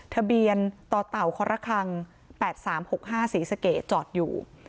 ทะเบียนต่อเต่าครคัง๘๓๖๕ศรีสเกตจอดอยู่